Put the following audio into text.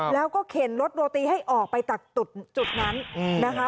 แล้วก็เข็นรถโรตีให้ออกไปจากจุดนั้นนะคะ